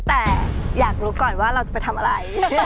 แต่อยากรู้ก่อนว่าเราจะไปทำอะไร